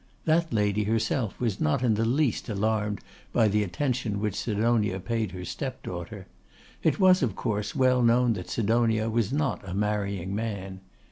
That lady herself was not in the least alarmed by the attention which Sidonia paid her step daughter. It was, of course, well known that Sidonia was not a marrying man.